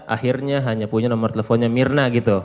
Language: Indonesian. akhirnya hanya punya nomor teleponnya mirna gitu